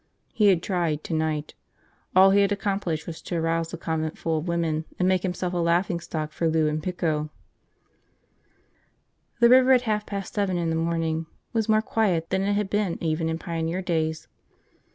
He had tried, tonight. All he had accomplished was to arouse a conventful of women and make himself a laughingstock for Lou and Pico. The river, at half past seven in the morning, was more quiet than it had been even in pioneer days.